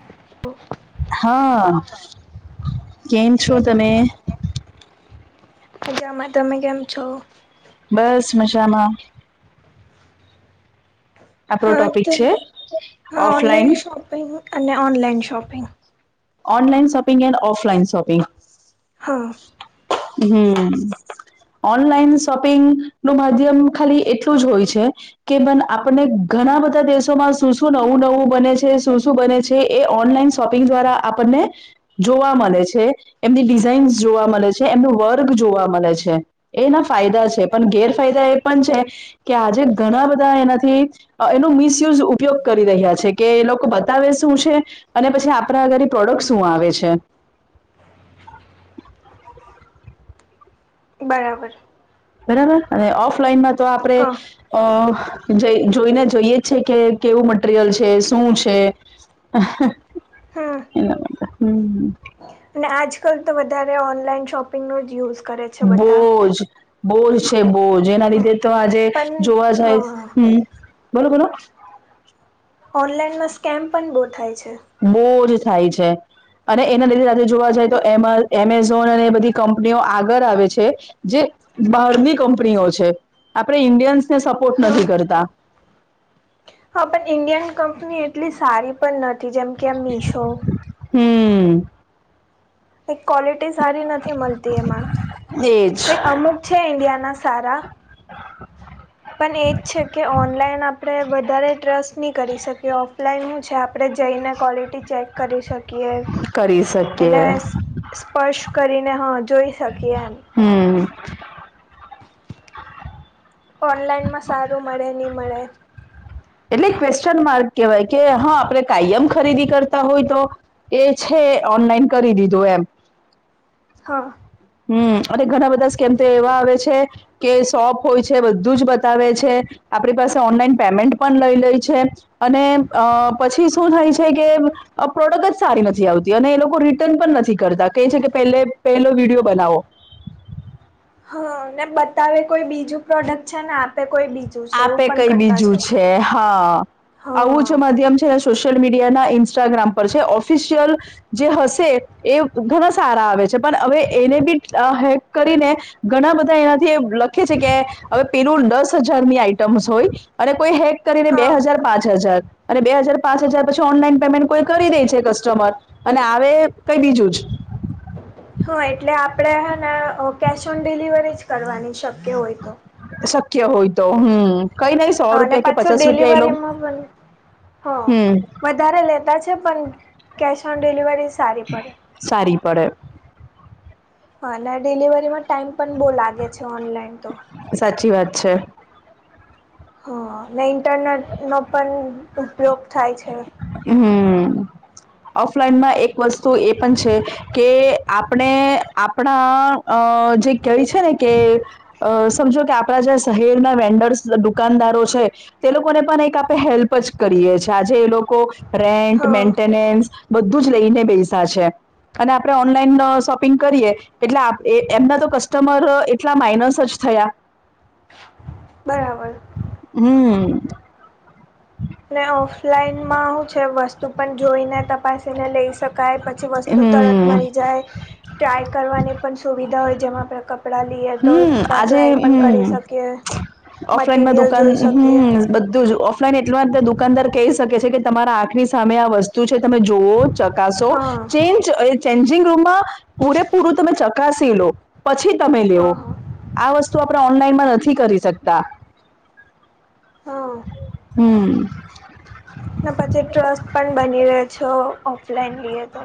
[unintelligible] હા કેમ છો તમે મજામાં તમે કેમ છો બસ મજામાં આપણો હા ટોપિક તો છે હા ઓફલાઈન ઓનલાઈન શોપિંગ અને online shopping online shopping and offline shopping હા હમ્મ ઓનલાઈન શોપિંગ નું માધ્યમ ખાલી એટલું જ હોય છે કે મન આપણને ઘણા બધા દેશોમાં શું શું નવું નવું બને છે શું શું બને છે જે એ ઓનલાઈન શોપિંગ દ્વારા આપણને જોવા મલે છે એમની ડિઝાઇન્સ જોવા મલે છે એમનું વર્ગ જોવા મલે છે એના ફાયદા છે પણ ગેરફાયદા એ પણ છે કે આજે ઘણા બધા એનાથી એનો મિસયુઝ ઉપયોગ કરી રહ્યા છે કે એ લોકો બતાવે શું છે અને પછી આપણા ગરીબ પ્રોડક્ટ શું આવે છે બરાબર બરાબર અને ઓફલાઈનમાં તો આપડે હા અ જોઈને જોઈએ જ છે કે કેવું મટીરિયલ છે શું છે હમ [unintelligible] અને આજકાલ તો વધારે ઓનલાઈન શોપિંગનો જ યુઝ કરે છે. બધા બોજ બોજ છે બોજ એના હા લીધે તો આજે પણ જોવા જાય હા હમ્મ બોલો બોલો ઓનલાઈનમાં સ્કેમ પણ બો થાય છે બોજ થાય છે અને એના લીધે આજે જોવા જાય તો એ એમેઝોન અને એ બધી કંપનીઓ આગળ આવે છે જે બહારની કંપનીઓ છે આપણે ઇન્ડિયન્સને સપોર્ટ હા નથી કરતા હા પણ ઈન્ડિયન કંપની એટલી સારી પણ નથી જેમ કે આ મીશો હમ્મ એક ક્વોલિટી સારી નથી મલતી એમાં એજ અમુક છે ઈન્ડિયાના સારા [inaudible] પણ એજ છે કે ઓનલાઈન આપણે વધારે ટ્રસ્ટ નહી કરી શકીએ ઓફલાઈન હું છે આપણે જઈને ક્વોલિટી ચેક કરી શકીએ કરી એને શકીયે. સ્પર્શ કરીને હા જોઈ શકીએ એમ હમ્મ ઓનલાઈનમાં સારું મળે નય મળે એટલે ક્વેશ્ચન માર્ક કહેવાય કે હા આપણે કાયમ ખરીદી કરતા હોય તો એ છે ઓનલાઈન કરી દીધું એમ હા હમ્મ અને ઘણા બધા સ્કેમ તો એવા આવે છે કે સોપ હોય છે બધું જ બતાવે છે આપણી પાસે ઓનલાઈન પેમેન્ટ પણ લઈ લઈ છે અને અ પછી શું થાય છે કે આ પ્રોડક્ટ જ સારી નથી આવતી અને એ લોકો રિટર્ન પણ નથી કરતા કે છે કે પ પહેલો વિડીયો બનાવો હ ને બતાવે કોઈ બીજું પ્રોડક્ટ છે ને આપે કોઈ બી આપે કઈ બીજું છે હા આવું હા જ માધ્યમ છે અને સોશિયલ મીડિયા ના ઇન્સ્ટાગ્રામ પર છે ઓફિશિયલ જે હશે એ ઘણા સારા આવે છે પણ હવે એને બી હેક કરીને ઘણા બધા એનાથી લખે છે કે હવે પેલું દસ હજાર હજાર ની આઈટમ્સ હોય અને કોઈ હેક કરીને બે હા હજાર પાંચ હજાર અને બે હજાર પાંચ હજાર પછી ઓનલાઈન પેમેન્ટ કોઈ કરી દે છે કસ્ટમર અને આવે કઈ બીજું જ હા એટલે આપણેે હેને કેશ ઓન ડિલિવરી જ કરવાની શક્ય હોય તો શક્ય હોય તો હમ્મ કઈ નહી સો અને રૂપિયા કે પાછું પચાસ રૂપિયા એલો ડિલિવરીમાં પણ હા હમ્મ વધારે લેતા છે પણ કેશ ઓન ડિલિવરી સારી પડે. સારી પડે હા અને ડિલિવરીમાં ટાઈમ પણ બહુ લાગે છે ઓનલાઈન તો સાચી વાત છે હ ને ઇન્ટરનેટનો પણ ઉપયોગ થાય છે હમ ઓફલાઈનમાં એક વસ્તુ એ પણ છે કે આપણે આપણા અ જે કય છે ને કે અ સમજો કે આપણા જે શહેરના વેન્ડર્સ દુકાનદારો છે તે લોકોને પણ એક આપણે હેલ્પ જ કરીએ છીએ આજે એ લોકો રેન્ટ હા મેન્ટેનેન્સ બધું જ લઈને બેસા છે અને આપણે ઓનલાઈન શોપિંગ કરીએ એટલે એ એમના તો કસ્ટમર એટલા માઇનસ જ થયા બરાબર હમ ઓફલાઈન માં હું છે વસ્તુ પણ જોઈને તપાસી ને લઈ શક પછી વસ્તુ તરત હમ મલી જાય ટ્રાય કરવાની પણ સુવિધા હોય જેમાં આપે કપડા હમ આજે હમ શકીએ ઓફલાઈન માં મટીરિયલ દુકાન જોઈ શકીએ હમ બધું જ ઓફ એટલા માટે દુકાનદાર કહી શકે છે કે તમારા આંખની સામે આ વસ્તુ હુ છે તમે જોવૉ ચકાસો હા ચ ચેન્જિંગ રૂમમાં પૂરેપૂરું તમે ચકાસી લો પછી તમે લયો હા હા આ વસ્તુ આપણે ઓનલાઈનમાં નથી કરી શકતા હા હમ ને પછી ટ્રસ્ટ પણ બની રયો છો ઓફલાઈન લઈએ તો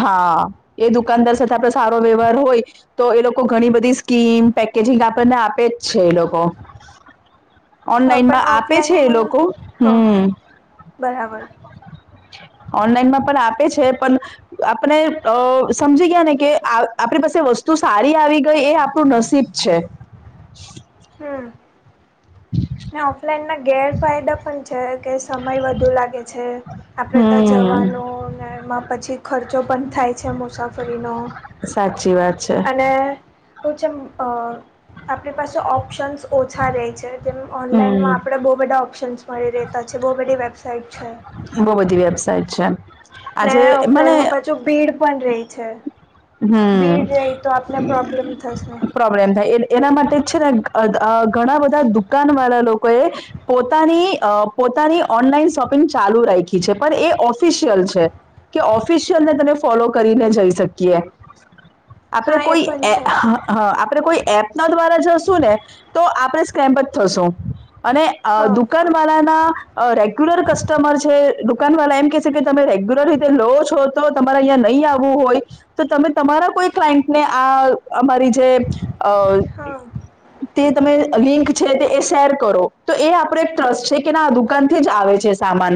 હા એ દુકાનદાર સાથે આપડ સારો વ્યવહાર હોય તો એ લોકો ઘણી બધી સ્કીમ પેકેજિંગ આપણને આપે જ છે એ લોકો હા પણ ઓનલાઈનમાં આપે છે એ ઓફલાઈનમાં લોકો હા હમ બરાબર ઓનલાઈન માં પણ આપ પણ આપણે સમજી ગયા ને કે આપણી પાસે વસ્તુ સારી આવી તો એ આપણું નસીબ છે હમ ઓફલાઈન ના ગેરફાયદા પણ છે કે સમય વધુ લાગે છે આપણેે ત્યાં હમ્મ. જવાનો ને એમાં પછી ખર્ચો પણ થાય છે મુસાફરીનો સાચી વાત છે અને હું છે આપણી પાસે ઓપ્શન્સ ઓછા ર છે જેમ ઓનલાઈનમાં હમ્મ. આપણે બહુ બધા ઓપ્શન્સ મળી રહેતા છે બહુ બધી વેબસાઇટ છે બહુ બધી વેબસાાઈઇટ છે આજે મને જો ભીડ પણ રહી છે હમ્મ ભીડ રહી તો આપને પ્રોબ્લેમ થશે પ્રોબ્લેમ થાય એના માટે છે ને ઘણા બધા દુકાન વાળા લોકો એ પોતાની પોતાની ઓનલાઈન શોપિંગ ચાલુ રાઇખી છે પણ એ ઓફિશિયલ છે કે ઓફિશિયલને તને ફોલો કરીને જઈ શકીએ આપણે હા એ કોઈ પણ છે હા આપણે કોઈ એપ ના દ્વારા જશું ને તો આપણે સ્કેમ્પ જ થશું અને અ હા દુકાન વા ના રેગ્યુલર કસ્ટમર છે દુકાન વાળ એમ કે છે કે તમે રેગ્યુલર રીતે લો છો. તો તમારે અ્યાં નહીં આવવું હોય. તો તમે તમારા કોઈ ક્લાયન્ટને આ અમારી જે અ હા તે તમે લિંક છે તે એ શેર કરો તો એ આપડો એક ટ્રસ્ટ છે કે ના દુકાન થી જ આવે છે સામાન.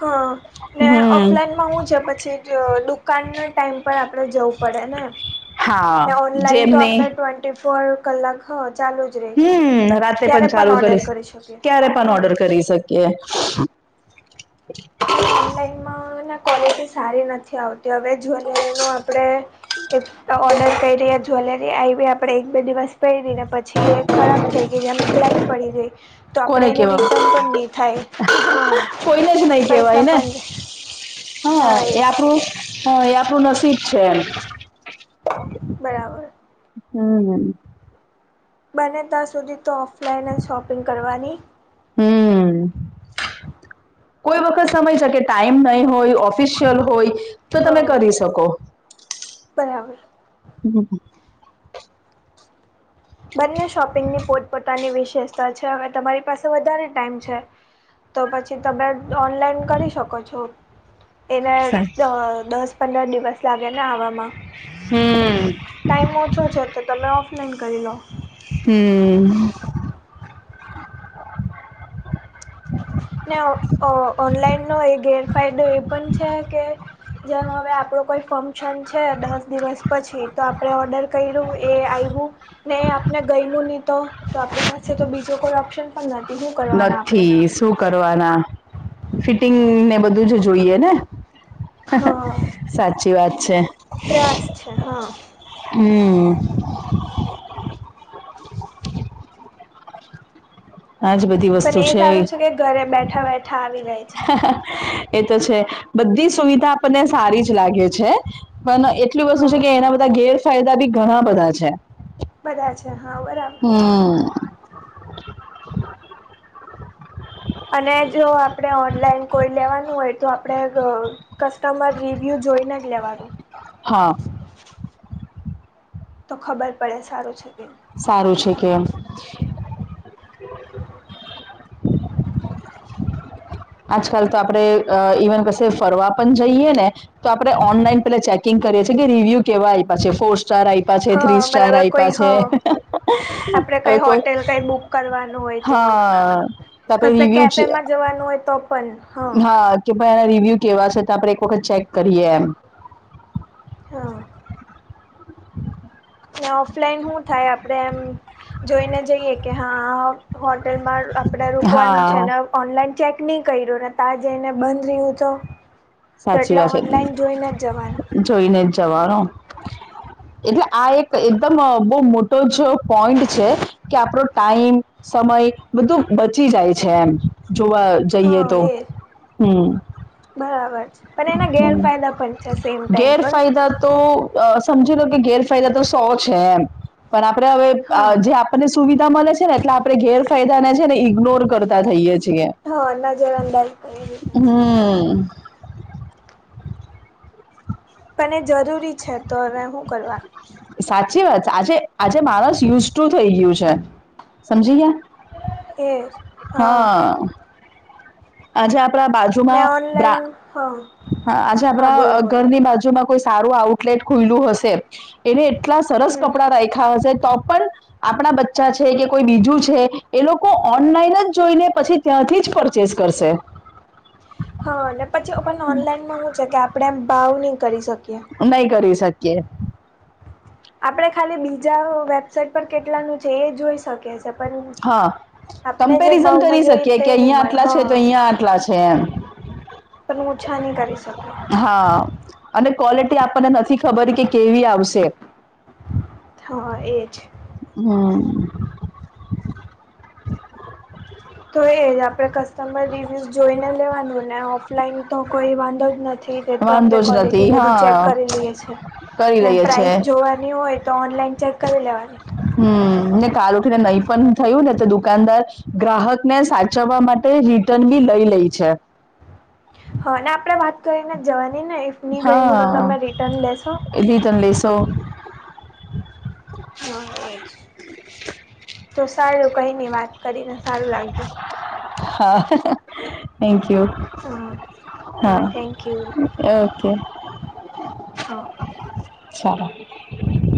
હા ને હમ ઓફલાઈનમાં હું છે પછી જ દકાનના ટાઈમ પર આપણે જવું પડે ને, હા ને ઓનલાઈન તો જેમની આપણે ટ્વેન્ટી ફોર કલાક હ ચાલુ જ રહે છે હમ રાતે ક્યારે પણ ચાલુ ઓર્ડર કરીશ, કરી શકીએ ક્યારે પણ હા ઓર્ડર કરી શકીએ. પણ ઓનલાઈનમાં ક્વોલિટી સારી નથી આવતી હવે જ્વેલરીનું આપણે ઓર્ડર કરી રહ્યા જ્વેલરી આવી આપડણે એક બે દિવસ પ રને પછી એક ખરાબ થઈ ગઈ એમ બ્લેક પડી ગઈ તો કોને આપણે એને કેવા રિટર્ન પણ ની થાય. હ. કોઈને જ નહી કેવાય ને હા એ આપણુ હા એ આપણું નસીબ છે એમ. બરાબર. હમ્મ હમ્મ. બને તા સુધી તો ઓફલાઈન જ શોપિંગ કરવાની. હમ્મ. કોઈ વખત સમય શકે ટાઈમ નહીં હોય, ઓફિશિયલ હોય. તો હા તમે કરી શકો. બરાબર. હમ્મ હમ્મ. બંને શોપિંગની પોતપોતાની વિશેષતા છે હવે તમારી પાસે વધારે ટાઈમ છે. તો પછી તમે ઓનલાઈન કરી શકો છો. એને અ દસ પંદર દિવસ લાગેને આવામાં. ટાઈમ ઓછો છે તો તમે ઓફલાઈન કરી લો. હમ્મ. ને ઓ ઓનલાઈનનો એક ગેરફાયદો એ પણ છે કે જેમ હવે આપણો કોઈ ફંક્શન છે દસ દિવસ પછી તો આપણે ઓર્ડર કર્યું એ આયવુ ને આપને ગયમુ ની તો તો આપણી પાસે તો બીજો કોઈ ઓપ્શન પણ નથી હું કરવાના આપડે? નથી શું કરવાના ફિટિંગને બધું જ જોઈએ ને. હા સાચી વાત છે. ત્રાસ છે હ. હમ્મ. આજ બધી પણ એ સારું છે કે ઘરે બેઠાં બેઠાં આવી જાય છે. એ તો છે બધી સુવિધા આપણને સારી જ લાગે છે. પણ એટલી વસ્તુ છે હા કે એના બધા ગેરફાયદા બી ઘણાં બધાં છે. બધાં છે હા બરાબર. હમ્મ. અને જો આપણે ઓનલાઈન કોઈ લેવાનું હોય તો આપણે ગ કસ્ટમર રિવ્યુ જોઈને જ લેવાનું. હા. તો ખબર પડે સારું છે કે સારું છે કે એમ. આજકાલ તો આપણે અ ઈવન કશે ફરવા પણ જઈએ ને તો આપણે ઓનલાઈન પેહલાં ચેકિંગ કરીએ છીએ કે રિવ્યુ કેવા આય્પા છે ફોર સ્ટાર આપ્યા હ છે થ્રી સ્ટાર બરાબર કોઈ આપ્યા હ છે આપણે હવે કઈ કોઈ હોટેલ કાઈ બુક કરવાનું હોય તો હા તો આપણે કેફેમાં જવાનું હોય તો પણ. હા હ કે ભાઈ આના રિવ્યુ કેવા છે તો આપણે એક વખત ચેક કરીએ એમ. હ. ઓફલાઈન હું થાય આપણે એમ જોઈને જઈએ કે હા હોટેલમાં આપણે રુકાવાનું છે હા ન. ઓનલાઈન ચેક ની કર્યુ ને ત્યાં જઈને બંધ રહ્યું તો? તો સાચી એટલે વાત છે ઓનલાઈન જોઈને જ જવાનું. જોઈને જ જવાનો એટલે આ એક એકદમ બહુ મોટો જો પોઈન્ટ છે કે આપણો ટાઈમ સમય બધું બચી જાય છે એમ જોવા હ જઈએ તો એ હમ બરાબર. પણ એના હમ. ગેરફાયદા પણ છે સેમ ટાઈમ પર ગેરફાયદા સમજી લો કે ગેરફાયદા તો સો છે એમ પણ આપણે હવે હા જે અને સુવિધા મળે છે ને એટલે આપણે ગેરફાયદા ને છે ને ઈગનોર કરતા થઈએ છીએ હા નજર અંદાજ કરી દીધા છે હમ [inaudible] પણ એ જરૂરી છે તો હવે શું કરવા સાચી વાત છે આજે આજે મારો જ યુઝ ર્થૂ થઈ ગયું છે સમજી ગયા એ હા આજે આપણા બાજુ ને ઓનલાઇન હા હા આજે હા આપણા બોલો બોલો ઘરની બાજુમાં કોઈ સારું આઉટલેટ ખુલ્લું હશે એને એટલા સરસ હમ કપડા રાખ્યા હશે તો પણ આપણા બચ્ચા છે કે કોઈ બીજું છે એ લોકો ઓનલાઈન જ જોઈને પછી ત્યાંથી જ પરચેસ કરશે હા અને પછી પણ ઓનલાઈન શું છે કે આપણે એમ ભાવ નહી કરી શકીએ નહી કરી શકીએ આપણે ખાલી બીજા વેબસાઈટ પર કેટલાનું છે એ જોઈ શકીએ છે પણ હા આપણે જે કમ્પેરિઝન ભાવમાં કરી જોઈએ શકીએ તે કે નહીં અહીયાં મળે આટલા છે હા તો અહીયાં આટલા છે એમ પણ ઓછા નહીં કરી શકીએ હા અને ક્વોલિટી આપણને નથી ખબર કે કેવી આવશે હા એજ હમ તો આપણે [inaudible] તમારે રિવ્યૂઝ જોઈને લેવાનું ને ઓફલાઈન તો કોઈ વાંધો જ નથી તે તો આપણે વાંધો જ નથી ક્વોલિટી બધું ચેક હા કરી લઈએ છીએ કરી ને લઈએ છે પ્રાઇસ જોવાની હોય તો ઓનલાઈન ચેક કરી લેવાની હમ ને કાલ ઉઠીને કહી પણ થયું ને તો દુકાનદાર ગ્રાહક ને સાચવવા માટે રિર્ટન ભી લઈ લે છે હા આપડે વાત કરીને જવાની ને ઇફની ગઈ હું તો હા તમે રિટર્ન લેશો એ લી તને લેશો હા એજ તો સારું કઈ નઇ વાત કરીને સારું લાગ્યું હા થેન્ક યુ હા હા થેન્કયુ ઓકે હા ચાલો